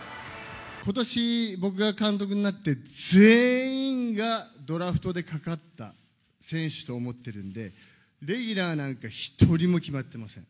ことし、僕が監督になって全員が、ドラフトでかかった選手と思ってるんで、レギュラーなんか一人も決まってません。